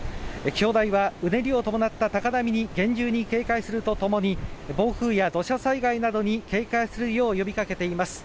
気象台はうねりを伴った高波に厳重に警戒するとともに暴風や土砂災害などに警戒するよう呼びかけています